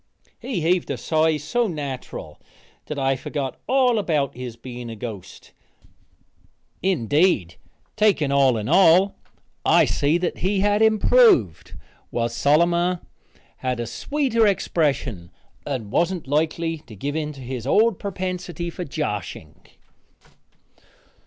He heaved a sigh so natural that I forgot all about his being a ghost. Indeed, taken all in all, I see that he had improved, was solemner, had a sweeter expression and wasn't likely to give in to his old prepensity for joshing.